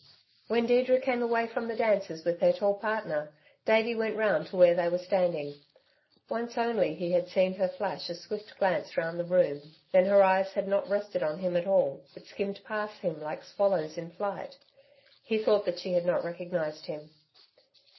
When Deirdre came away from the dancers with her tall partner, Davey went round to where they were standing. Once only he had seen her flash a swift glance round the room, then her eyes had not rested on him at all, but skimmed past him like swallows in flight. He thought that she had not recognised him.